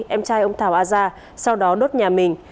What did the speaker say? em trai ông thảo a gia sau đó đốt nhà mình